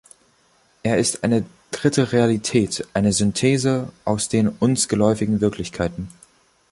Er ist eine „dritte Realität“, eine Synthese aus den uns geläufigen Wirklichkeiten.